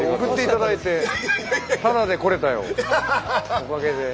おかげで。